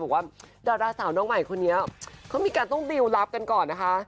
บอกว่าดาราสาวน้องใหม่คนนี้เขามีการต้องดิวรับกันก่อนนะคะ